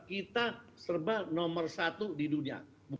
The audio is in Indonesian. kita serba nomor satu di dunia